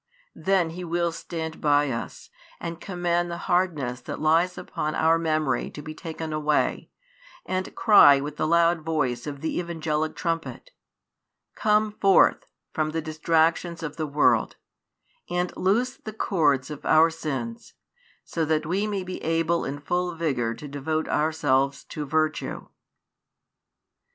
Then He will stand by us, and command the hardness that lies upon our 1 memory to be taken away, and cry with the loud voice of the Evangelic trumpet: "Come forth from the distractions of the world," and loose the cords of our sins; so that we may be able in full vigour to devote ourselves to virtue.